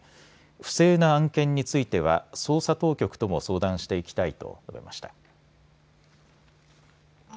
不正な案件については捜査当局とも相談していきたいと述べました。